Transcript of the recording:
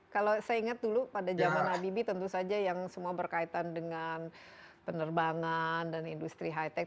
kalau saya ingat dulu pada zaman habibie tentu saja yang semua berkaitan dengan penerbangan dan industri high tech